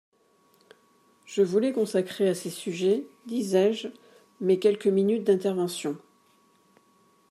Je voulais consacrer à ces sujets, disais-je, mes quelques minutes d’intervention.